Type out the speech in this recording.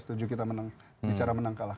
setuju kita menang bicara menang kalah